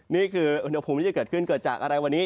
นี่คืออุณหภูมิที่จะเกิดขึ้นเกิดจากอะไรวันนี้